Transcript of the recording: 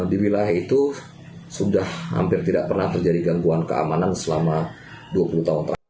di wilayah itu sudah hampir tidak pernah terjadi gangguan keamanan selama dua puluh tahun terakhir